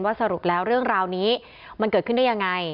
สรุปแล้วเรื่องราวนี้มันเกิดขึ้นได้ยังไง